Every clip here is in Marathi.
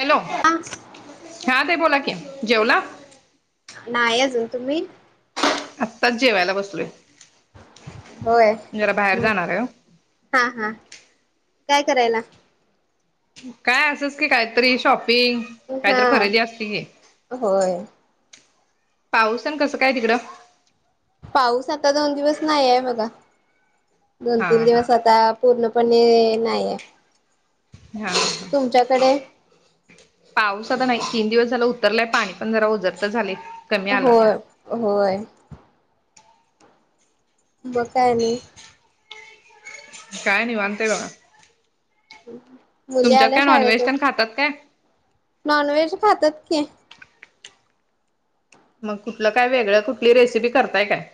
हॅलो. आ. हा ते बोला कि जेवला. नाही अजून तुम्ही. आत्ताच जेवायला बसलोय. होय जरा बाहेर म जाणार आहे हो. हा हा काय करायला.. काय असस की काहीतरी शॉपिंग हा काहीतरी खरेदी असते की. होय पाऊसन कसं काय तिकडं. पाऊस आता दोन दिवस नाही आहे बघा दोन हा तीन हा दिवस आता. पूर्णपणे नाहीय.. हा. तुमच्याकडे. पाऊस आता नाही तीन दिवस झाला उतरलाय पाणी पण जरा उजरत झाले. कमी आला आता होय होय. ब काय नाही. काय नाही वाते का. मुली आल्या काय नॉनव्हेज शाळेतच तेन खातात काय नॉन व्हेज खातात की. मग कुठलं काय वेगळ कुठली रेसिपी करताय काय.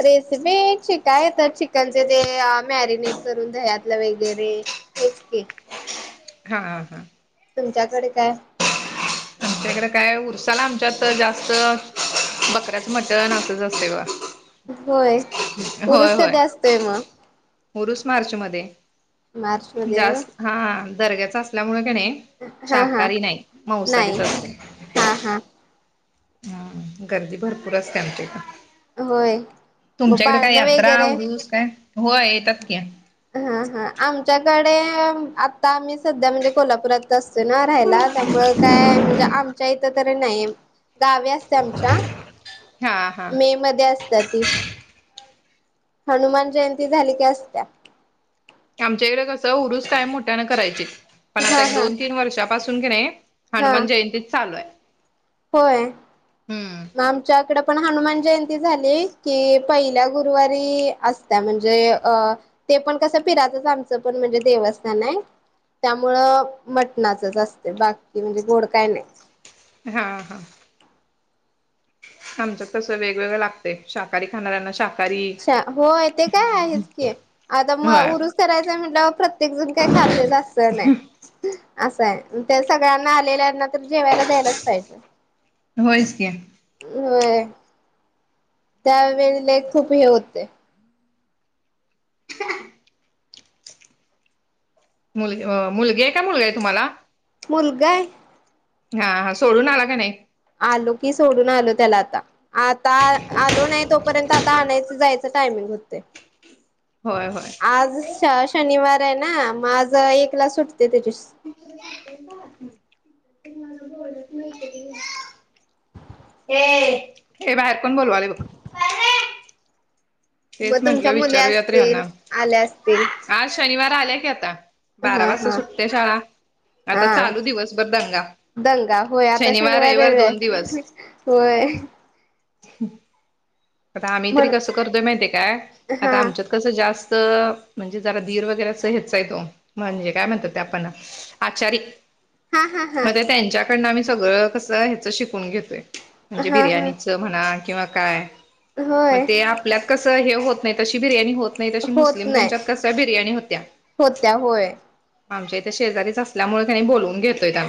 रेसिपी िकय येतात चिकनचे ते मॅरिनेट करून दयातलं वगैरे. हेच क. हा हा हा. तुमच्याकडे काय आमच्याकडें काय उरसाला आमच्यात जास्त बकऱ्याच म्हट तरन असच असते ब होय पुरुस कधी असतोय मग मुरुस मार्च मध्ये मार्च मध्ये होय. जास्त हा दर्याचा असल्यामुळे घ नाही. हा हा शाकाहारी नाही मवसारीच नाही.. हा हा. हम् गर्दी भरपूर असते आमची का. होय. मग तुमच्याकडे काय पाळणं यात्रा वगैरे उरूस काय हो येतात की हा हा आमच्याकडे आता आम्ही सध्या म्हणजे कोल्हापुरात असत ना राहायला त्यामु काय म्हणजे आमच्या इथं तरी नाही दहावी असते आमच्या हा हा मे मध्ये असत ती हनुमान जयंती झाली की असत्या आमच्याकडे कसं हरुस कायम मोठ्यानं करायची पण आता हा एक हा दोन तीन वर्षापासून की नाही हा हनुमान जयंतीच चालू आहे होय मग हम्म आमच्याकडे पण हनुमान जयंती झाली की पहिल्या गुरुवारी असत म्हणजे अ ते पण कसं फिरतच आमचं पण म्हणजे देवस्थान आहे त्यामुळं मटणाचच असते बाकी म्हणजे गोड काय नाही हा हा आमच तसं वेगवेगळं लागते शाह खाणाऱ्यांना शा अच्छा हो ते काय आहेच की आता मग होय उरुस करायचं म्हट प्रत्येक जून काही खाते असत नाही असं आहे ते सगळ्यांना आलेल्यांना तर जेवायला द्यायलाच पाहिजे होचक हो त्यावेेळेला खूप हे होते मुलगी मुलगी आहे काय मुलगा आहे तुम्हाला मुलगा आहे हा हा सोडून आला का नाही आलो की सोडून आलो त्याला आता आता आलो नाही तोपर्यंत आता आणायचं जायचं टायमिंग होते होय होय आज शनिवार आहे ना मग आज एकला सुटते त्याच्या त म बत नाही क हे बाहेर कोण बोलूले बघ मग तेच म्हंटलं तुमच्या मुली विचारूयाते यांना असतील आल्या असतील. आज शनिवार आल्या की आता बारा हा वाजता हा सुटते शाळा आता हा चालू दिवसभर दंगा दंगा होय आता शनिवार रविवार दोन रव दिवस होय आता आम्ही तरी म्हण कसं करतोय माहिितय काय हा आता आमच्या कसं जास्त म्हणजे जरा धीर वगैरे अस हेचचाय तो म्हणजे काय म्हणतात ते आपण अचारी हा मग त्यांच्याकडं आमही सगळं कस ह्याच शिकून घेतोय म्हणजे हा हा बिर्याणीच म्हणा किं काय होय मग ते आपल्या कस होत नाही तशी बिर्या हो नाही तशी होत मुस्लिम नाही त्यांच्यात कशऱ्या बिर्याणी होत्या होत्या होय आमच्या इथे शेजारीच असल्यामुळे त्यांनी बोलवून घेतोय आ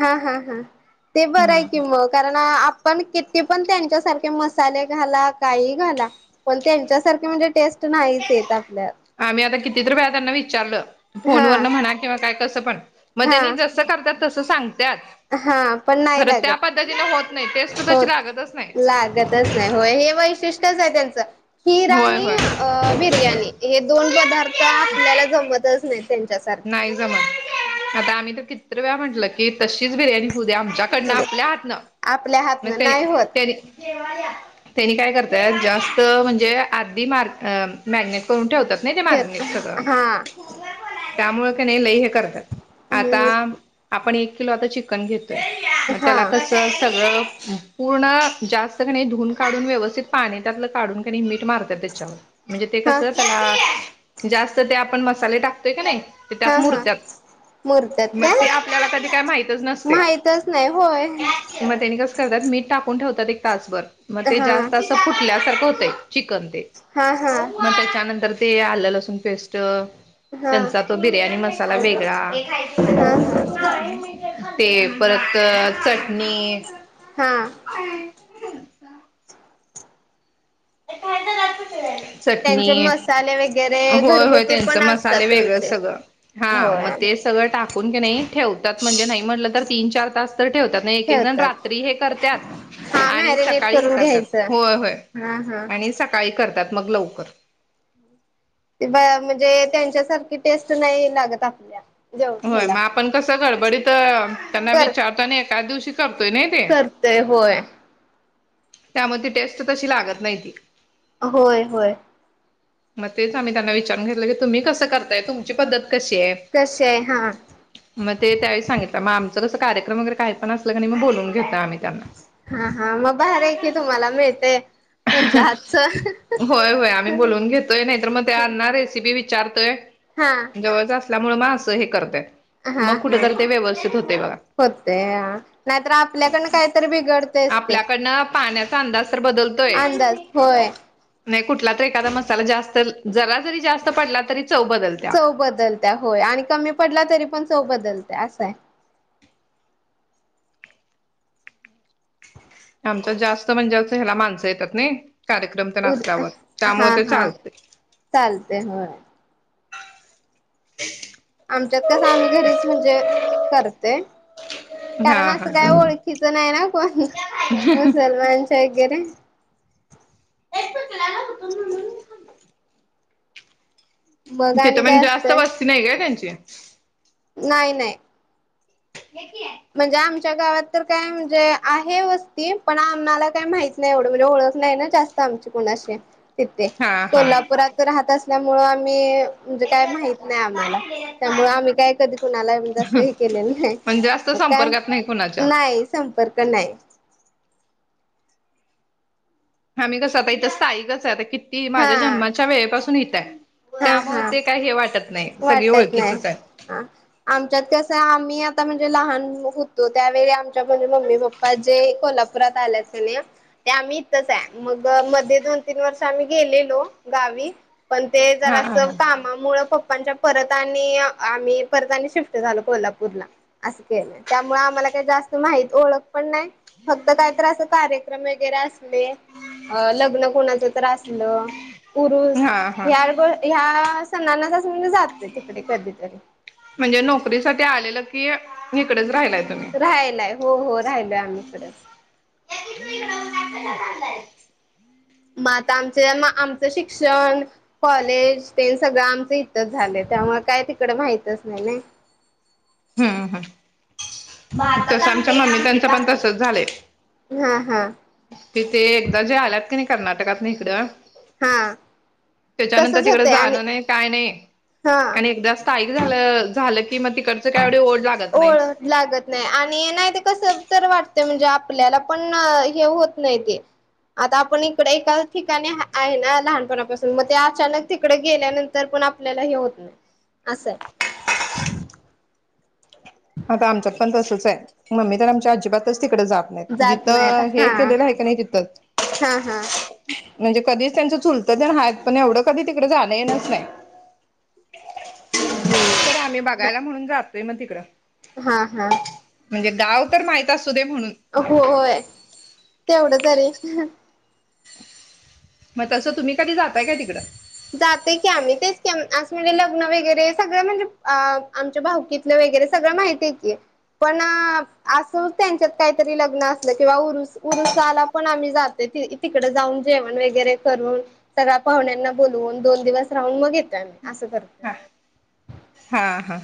हा हा हा ते बरं आहे की मग कारण आपण किती पण त्यांच्यासारखे मसाले घाला काही घाला पण त्यांच्यासारखे म्हणजे टेस्ट नाहीच येत आपल्या आम्ही आता कितीतरी वेळा त्यांना विचारलं हा फोनवरन म्हणा किंवा काय कसं पण मग हा त्यांनी तसं करत्यात तसं सांगत्यात हा पण नाही खरं त्या लागत पद्धतीने होत नाही टेस्ट हो तशी लागतच नाही लागतच नाही होय हे वैशिष्ट्यच आहे त्यांचं खीर होय आणि होय. अ बिर्याणी हे दोन पदार्थ आपल्याला जमतच नाही त्यांच्यासारखे नाही आता आम्ही तर कित्र वेळा म्हटलं की तशीच बिर्याणी होऊ दे्या आमच्या डन आपल्या हातनं आपल्या म हातनं त्यानी नाही होत त्यानी त्यांनी काय करताय जास्त म्हणजे आधी मार् अ मॅग्नेट करून ठेवतात नाही ते खेर मॅग्नेट सगळं हा त्यामुळे कनाही लई हे करतात आता हम्म आपण एक किलो आता चिकन घेतोय मग हा. त्याला कस सगळं पूर्ण जास्त कणे धुवून काढून व्यवस्थित पाणी त्यातलं काढून कनी मीठ मारत त्याच्यावर म्हणजे ते कस हा त्याला जास्त ते आपण मसाले टाकतोय कनाही ते त्यात हा हा मुरत्यात मुरतात मग ते काय आपल्याला कधी काय माहितच नसतय माहितच नाही होय. मग त्यानी कसं करतात मीठ टाकून ठेवतात एक तासभर मग ते हा जास्त फुटल्यासारखं होतंय चिकन ते हा हा मग त्याच्यानंतर ते आलं लसूण पेस्ट हा हा त्यांचा तो बिर्याणी मसाला वेगळा हा ते परत चटणी हा ए लातू चले चटणी त्यांचे मसाले वगैरे होय होय घरगुती त्यांच पण मसाले असतात वेगळंच त्यांचे सगळं हा मग होय चटणी सगळं टाकून कीनाही ठेव म्हणजे नाही म्हटलं तर तीन चार तास तर ठेवतात एक एक जण ठेवतात. रात्री हे करत हा आणि सकाळी हे करतात होय होय हम् आणि सकाळी करतात मग लवकर ते म्हणजे त्यांच्यासारखी टेस्ट नाही लागत आपल्या जेव होय मग ह्याला आपण कसं गडबडीत त्यांना कर विचारतो आणि एकाच दिवशी करतोय नाही ते ते होय त्यामुळं ती टेस्ट तशी लागत नाही ती होय होय मग तेच आम्ही त्यांना विचारून घेतलं की तुम्ही कस करताय तुमची पद्धत कशी आहे कशी आहे हा मग ते त्यावेळी सांगितलं मग आमचं कसं कार्यक्रम वगैरे काही पण असलं क नाही मग बोलून घेतोय आम्ही त्यांना हा हा मग भारी आहे की तुम्हाला मिळतय त्यांच्या हातच होय होय आम्ही बोलून घेतोय नाहीतर मग त्यांना रेसिपी विचारतोय हा जवळच असल्यामुळे मग असं हे करतोय मग कुठे ते व्यवस्थित होते बघा होते नाहीतर आपल्याकडनं काहीतरी बिघडतयच ते आपल्याकडंनं पाण्याचा चा अंदाज तर बदलतोय अंदाज होय नाही कुठला तर एखादा मसाला जास्त तर जरा जरी जास्त पडला तरी चव बदलत्या चव बदलत्या होय आणि कमी पडला तरी पण चव बदलत्या असं हाय आमच्यात जास्त म्हणजे असं ह्याला माणसं येतात नाही कार्यक्रम तेन उर असल्यावर त्यामुळे ते चालते चालते होय [inaudible] आमच्यात कस आम्ही घरीच म्हणजे करतोय हा कारण असं काय हा ओळखीचं नाही ना कोण मुसलमानच्या वगैरे ए क लाग तो तिथं आणि मग काय जास्त असतंय वस्ती नाही का त्यांची नाही नाही हेेत आहे म्हणजे आमच्या गावात तर काय म्हणजे आहे वस्ती पण आम्हाला काय माहित नाही एवढं म्हणजे ओळख नाही ना जास्त आमची कोणाशी तिथे हा हा कोल्हापुरात राहत असल्यामुळ आम्ही म्हणजे काय माहित नाही आम्हाला त्यामुळ आम्ही काय कधी कुणाला म्हणजे असं हे केलेलं नाही पण जास्त मग काय संपर्कात नाही कुणाच्या नाही संपर्क नाही आम्ही कसं आता इथं स्थाी कस आहे आता किती हा माझ्या जन्माच्या वेळेपासून इथंय हा त्यामुळे हा ते काय हे वाटत नाही सगळी ओळखीचीच आहे ह आमच्यात कसं आम्ही आता म्हणजे लहान होतो त्यावेळी आमच्या म्हणजे मम्मी पप्पा पाजे कोल्हापुरात आलेस ना ते आम्ही इथंच आहे मग मध्ये दोन तीन वर्ष आम्ही गेलेलो गावी पण ते जरा हा स हा काम मुळ पप्पांच्या परत आणि आम्ही परत आणि शिफ्ट झालो कोल्हापूरला असं केलं त्यामुळे आम्हाला काही जास्त माह ओळख पण नाही फक्त काही तर असं कार्य वगैरे असले लग्न कोणाच तर्र असलं उरुस हा हा ह्या सनाचा म्हणजे जातोय तिकडे कधीतरी म्हणजे नोकरीसाठीठी आलेलं की इकडेच राहिलाय तुम्ही रायलाय हो हो राहिलोय आम्ही खरंच चांगलंय मग आता आमच्या आमचं शिक्षण कॉलेज ते सगळं आमचं इथच झालं त्यामुळे काय तिकड माहितच नाही नाही हम् ह तस आमच्या मम्मी त्यांचं पण तसच झालंय हा हा तिथे एकदा जे आल्यात की नाही कर्नाटकात नििककड हा त्याच्यानंतर तसच तिकडं होतय आणि जाणं नाही काय नाही हा क झालं झालं की मग तिकडचं कायवेव ओढ लागत नाही ओळख लागत नाही आणि नाही ते कस तर वाटत म्हणजे आपल्याला पण हे होत नाही ते आता आपण इकडे एका ठिकाणी आहे ना लहानपणापासून मग ते अचानक तिकडे गेल्यानंतर तर पण आपल्याला हे होत नाही असंय आता आमच्यात पण तसंच आहे म्मी तर आमच्या अजिबातच तिकडे जा जात नाही आता जिथं हे हा केलेलं आहे की नाही तिथच हा हा म्हणजे कधीच त्यांचं चुलतं तेत पण एवढं कधी तिकडे जाणं येणच नाही तरर आम्ही हम्म बघायला म्हणून जातोय मग तिकडं हा हा म्हणजे गाव तर माहत असू दे म्हणून हो होय तेवढंच रे मग तसं तुम्ही कधी जातय का तिकडं जाते की आम्ही तेच क असं म्हणजे लग्न वगैरे सगळं म्हणजे आमच्या भाऊकी वगैरे सगळं माहिती आहे की पण असं त्यांच्यात काहीतरी लग्न असलं किंवा उरुस उरुसाला पण आम्ही जाते तिकड जाऊन जेवण वगैरे करून सगळ्या पाहुण्यांना बून दोन दिवस राहून मग येतो आम्ही असं करतो हां हां हां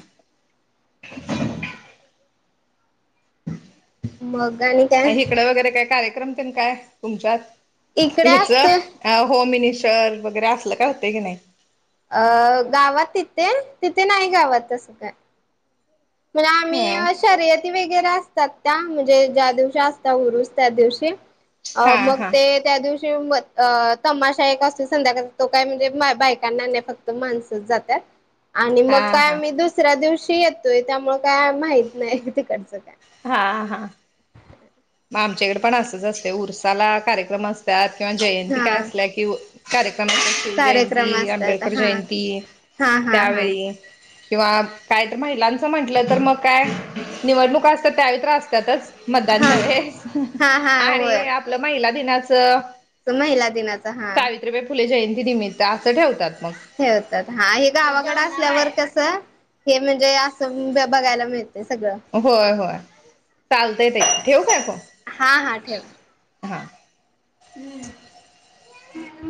मग आणि इकड वगैरे काय कार्यक्रम ते काय तुमच्यात इकडे ह्याच असत अ होम मिनिस्टर वगैरे असलं काय होत की नाही अ गावात तिथे तिथे नाही गावातसं काय म्हण ह आम्ही शर्यत ते वेगेरे असतात का? म्हणजे ज्या दिवशी असता उरुस त्या दिवशी. अ हा मग हा ते, त्या दिवशी म त्माशा एक असे संध्याका तो काय म्हणजे बायकांना नाही फक्त माणसं जातात आणि मग हा काय, हा मी दुसऱ्या दिवशी येतोय. त्यामुळे काय माहत नाही तिकडचं काय. हा हा. म आमच्याकडे पण असंच असते उरसाला कार्यक्रम असतात. किंवा जयंती काय हा असल्या कि कार्यक्रम, अस शिव जयंती, आंबेडकर जयंती हां हां हां. त्यावेळी किंवा काय तर महिलांचं म्हंटलं तर मग काय? निवडणूक असता त्याहीतर आसत्यातच म हा हा हा आणि होय आपलं महिला दिनाचं, महिला दिनाच हा. सावित्रीबाई फुले जयंती निमित्त असं ठेवतात मग. ठेवतात. हा, हे गावाकडें असल्यावर कसं हे म्हणजे असं अं बघायला मिळते सगळं. होय होय. चालतय ताई. ठेवू काय फोन? हा हा, ठेवा. हा. हम्